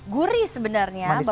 gurih sebenarnya bawang bombay